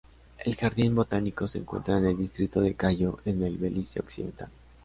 El jardín botánico se encuentra en el Distrito de Cayo en el Belice occidental.